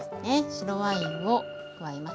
白ワインを加えます。